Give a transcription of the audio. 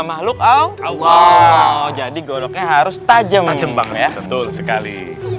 makhluk allah jadi goloknya harus tajam semangat sekali